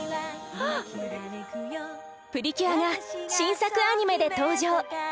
「プリキュア」が新作アニメで登場。